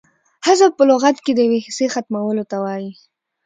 حذف په لغت کښي د یوې حصې ختمولو ته وايي.